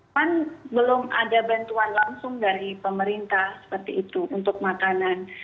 kan belum ada bantuan langsung dari pemerintah seperti itu untuk makanan